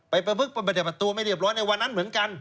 ประพึกไปปฏิบัติตัวไม่เรียบร้อยในวันนั้นเหมือนกัน